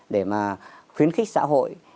để mà khuyến khích xã hội